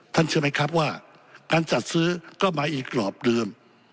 เชื่อไหมครับว่าการจัดซื้อก็มาอีกกรอบเดิม